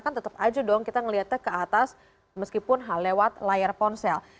kan tetap aja dong kita melihatnya ke atas meskipun lewat layar ponsel